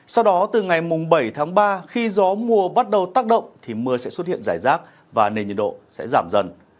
sau đó từ ngày bảy tháng ba khi gió mùa bắt đầu tác động thì mưa sẽ xuất hiện rải rác và nền nhiệt độ sẽ giảm dần